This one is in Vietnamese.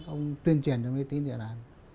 ông tuyên truyền cho mê tín dị đoan